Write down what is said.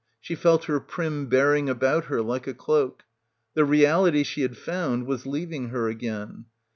She felt her prim bear ing about her like a cloak. The reality she had found was leaving her again.